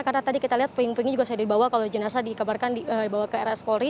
karena tadi kita lihat puing puingnya juga sudah dibawa kalau jenazah dikabarkan dibawa ke rs polri